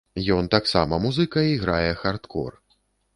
Ён таксама музыка і грае хардкор.